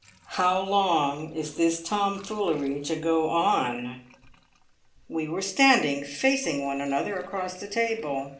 How long is this tomfoolery to go on_?" We were standing facing one another across the table.